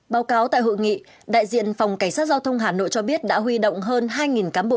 báo cáo tại hội nghị đại diện phòng cảnh sát giao thông hà nội cho biết đã huy động hơn hai cán bộ